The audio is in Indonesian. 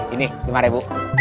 ini rp lima ribu